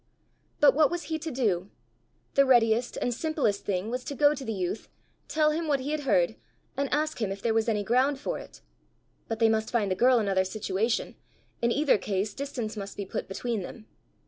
But what was he to do? The readiest and simplest thing was to go to the youth, tell him what he had heard, and ask him if there was any ground for it. But they must find the girl another situation! in either case distance must be put between them!